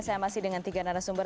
saya masih dengan tiga narasumber